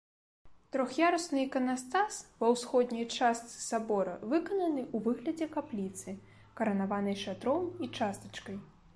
Трох'ярусны іканастас ва ўсходняй частцы сабора выкананы ў выглядзе капліцы, каранаванай шатром і частачкай.